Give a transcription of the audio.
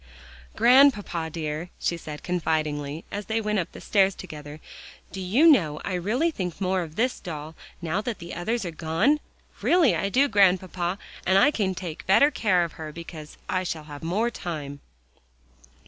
"Grandpapa, dear," she said confidingly as they went up the stairs together, "do you know I really think more of this doll, now that the others are gone? Really I do, Grandpapa, and I can take better care of her, because I shall have more time."